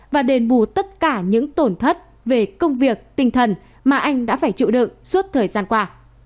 và đền bù tất cả những tổn thất về công việc tinh thần mà anh đã phải chịu đựng suốt thời gian qua